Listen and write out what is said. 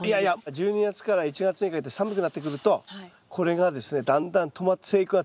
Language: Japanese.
１２月から１月にかけて寒くなってくるとこれがですねだんだん生育が止まってしまいます。